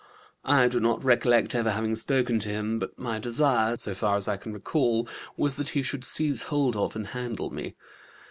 I do not recollect ever having spoken to him, but my desire, so far as I can recall, was that he should seize hold of and handle me.